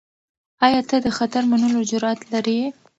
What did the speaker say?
آیا ته د خطر منلو جرئت لرې؟